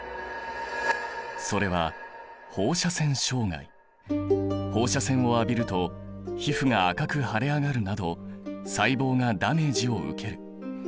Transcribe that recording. それは放射線を浴びると皮膚が赤く腫れ上がるなど細胞がダメージを受ける。